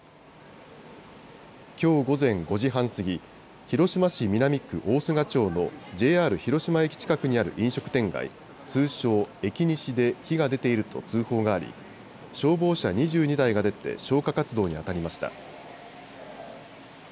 きょう午前５時半過ぎ、広島市南区大須賀町のＪＲ広島駅近くにある飲食店街、通称、エキニシで火が出ていると通報があり消防車２２台が出て消火活動にあたりました。